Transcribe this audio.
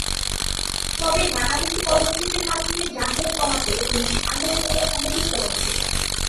তবে নানামুখী পদক্ষেপের মাধ্যমে যানজট কমাতে পুলিশ আন্তরিকতার সঙ্গে চেষ্টা করছে।